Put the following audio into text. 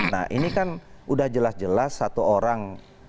nah ini kan udah jelas jelas satu orang